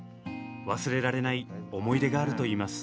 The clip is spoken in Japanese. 忘れられない思い出があるといいます。